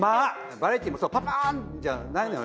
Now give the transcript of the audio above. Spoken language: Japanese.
バラエティもそうパパンじゃないのよ